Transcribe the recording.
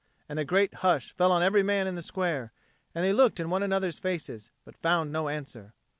And a great hush fell on every man in the square, and they looked in one another's faces, but found no answer.